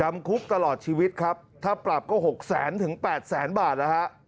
คุกตลอดชีวิตครับถ้าปรับก็๖แสนถึง๘แสนบาทแล้วฮะ